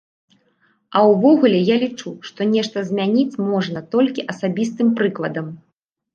А ўвогуле я лічу, што нешта змяніць можна толькі асабістым прыкладам.